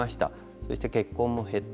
そして結婚も減った。